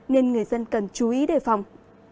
nên người dân cần chú ý đề phòng